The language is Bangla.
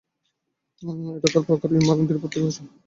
এটা তাঁর প্রগাঢ় ঈমান এবং দৃঢ় প্রত্যয়ের ফসল ছিল।